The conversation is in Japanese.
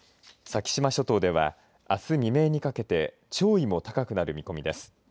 先島諸島ではあす未明にかけて潮位も高くなる見込みです。